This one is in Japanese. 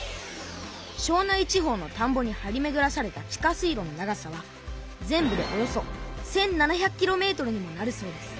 庄内地方のたんぼにはりめぐらされた地下水路の長さは全部でおよそ１，７００キロメートルにもなるそうです。